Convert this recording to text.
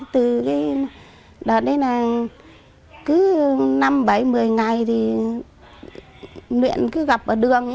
từ cái đợt đấy là cứ năm bảy một mươi ngày thì luyện cứ gặp ở đường